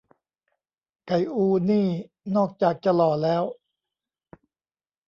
"ไก่อู" นี่ นอกจากจะหล่อแล้ว